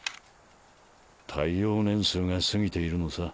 対応年数が過ぎているのさ。